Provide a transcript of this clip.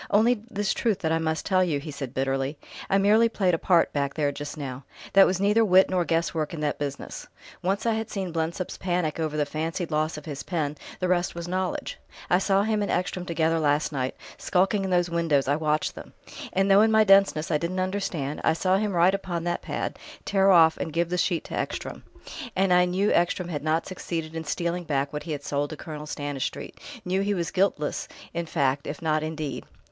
"Only this truth that I must tell you," he said bitterly: "I merely played a part back there, just now. There was neither wit nor guess work in that business; once I had seen Blensop's panic over the fancied loss of his pen, the rest was knowledge. I saw him and Ekstrom together last night skulking in those windows, I watched them; and though in my denseness I didn't understand, I saw him write upon that pad, tear off and give the sheet to Ekstrom. And I knew Ekstrom had not succeeded in stealing back what he had sold to Colonel Stanistreet, knew he was guiltless in fact if not in deed."